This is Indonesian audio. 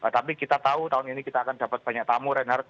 tapi kita tahu tahun ini kita akan dapat banyak tamu renhard